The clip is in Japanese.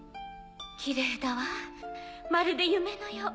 きれいだわまるで夢のよう！